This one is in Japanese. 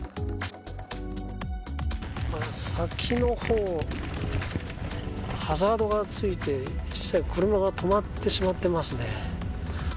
先の方、ハザードがついて１台車が止まってしまっていますね。